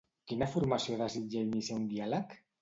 Quina formació desitja iniciar un diàleg?